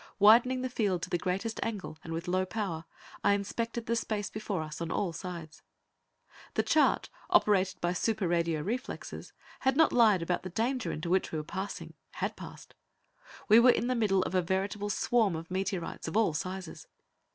Widening the field to the greatest angle, and with low power, I inspected the space before us on all sides. The charts, operated by super radio reflexes, had not lied about the danger into which we were passing had passed. We were in the midst of a veritable swarm of meteorites of all sizes.